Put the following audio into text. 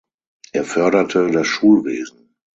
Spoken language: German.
Er förderte das Schulwesen.